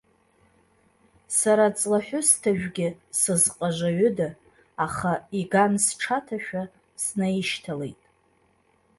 Сара аҵлаҳәысҭажәгьы сызҟажаҩыда, аха иган сҽаҭашәа, снаишьҭалеит.